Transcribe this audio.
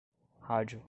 rádio